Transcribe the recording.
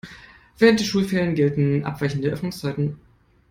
Während der Schulferien gelten abweichende Öffnungszeiten.